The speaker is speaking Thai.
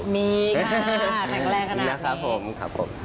มีค่ะแข็งแรงนะครับผมครับผม